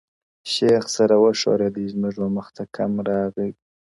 شېخ سره وښورېدی زموږ ومخته کم راغی ـ